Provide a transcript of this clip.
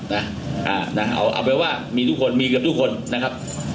อันนี้ยังไม่เห็นเพราะต้องรอกล้อง๒กล้องนี้